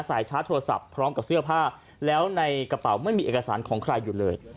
ชาร์จโทรศัพท์พร้อมกับเสื้อผ้าแล้วในกระเป๋าไม่มีเอกสารของใครอยู่เลย